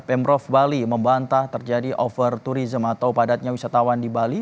pemprov bali membantah terjadi over tourism atau padatnya wisatawan di bali